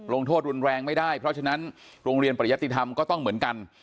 โทษรุนแรงไม่ได้เพราะฉะนั้นโรงเรียนปริยติธรรมก็ต้องเหมือนกัน